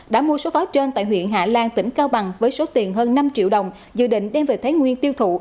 đã mua số pháo trên tại huyện hạ lan tỉnh cao bằng với số tiền hơn năm triệu đồng dự định đem về thái nguyên tiêu thụ